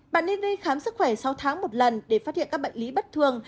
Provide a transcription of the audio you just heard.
bạn nên đi khám sức khỏe sáu tháng một lần để phát hiện các bệnh lý bất thường